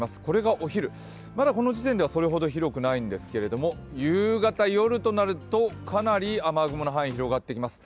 お昼、まだこの時点ではそれほど広くないんですけれども夕方夜となると、かなり雨雲の範囲、広がっていきます。